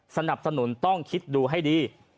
สนับสนุนต้องคิดดูให้ดี